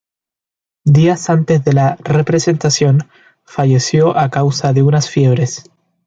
Días antes de la representación falleció a causa de unas fiebres.